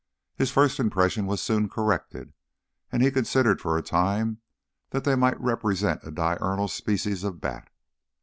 His first impression was soon corrected, and he considered for a time that they might represent a diurnal species of bat.